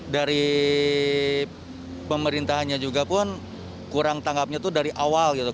dari pemerintahannya juga pun kurang tanggapnya itu dari awal gitu